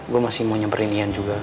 gue masih mau nyamperin ian juga